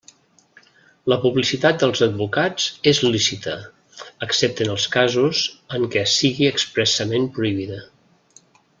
La publicitat dels advocats és lícita, excepte en els casos en què sigui expressament prohibida.